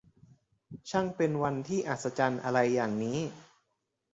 ช่างเป็นวันที่อัศจรรย์อะไรอย่างนี้